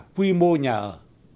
quy mô nhà ở